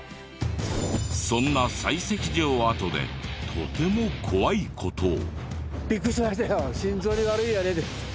そんな採石場跡でとても怖い事を。